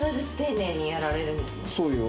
そうよ。